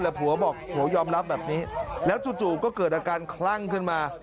แต่ผัวบอกผัวยอมรับแบบนี้แล้วจู่ก็เกิดอาการคลั่งขึ้นมา